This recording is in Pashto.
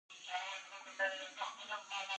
نن بيا په لوړه کې اوبه بهېدلې